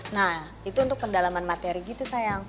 nah itu untuk pendalaman materi gitu sayang